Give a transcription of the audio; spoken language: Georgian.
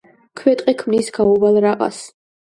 ქვეტყე ქმნის გაუვალ რაყას.